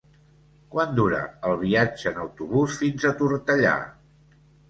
Quant dura el viatge en autobús fins a Tortellà?